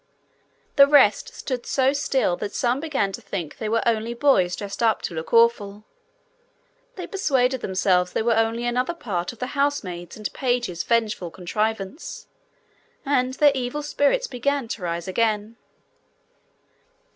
The rest stood so still that some began to think they were only boys dressed up to look awful; they persuaded themselves they were only another part of the housemaid's and page's vengeful contrivance, and their evil spirits began to rise again.